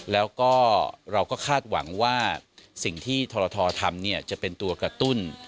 แล้วก็เราก็คาดหวังว่าสิ่งที่ทรททำจะเป็นตัวกระตุ้น